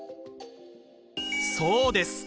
そうです！